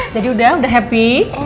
jadi udah udah happy